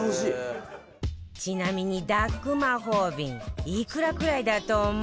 ちなみに ＤＵＫＫ 魔法瓶いくらくらいだと思う？